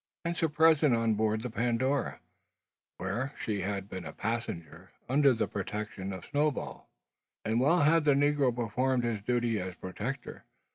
Hence her presence on board the Pandora, where she had been a passenger under the protection of Snowball. And well had the negro performed his duty as protector.